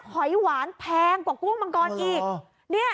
หอยหวานแพงกว่ากุ้งมังกรอีก